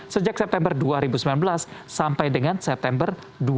sejak september dua ribu sembilan belas sampai dengan september dua ribu dua puluh